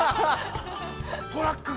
トラックが。